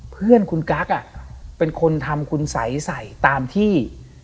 เพื่อนคุณกั๊กเป็นคนทำคุณสัยใส่ตามที่